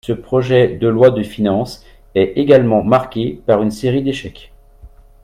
Ce projet de loi de finances est également marqué par une série d’échecs.